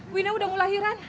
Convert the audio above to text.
wina udah mulai lahiran